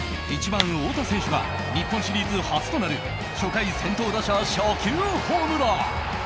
１番、太田選手が日本シリーズ初となる初回先頭打者初球ホームラン。